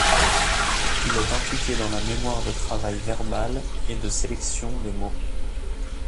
Il est impliqué dans la mémoire de travail verbal et de sélection des mots.